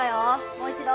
もう一度。